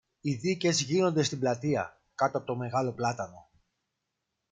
Οι δίκες γίνονται στην πλατεία, κάτω από το μεγάλο πλάτανο.